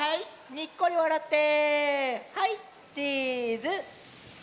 にっこりわらってはいチーズ！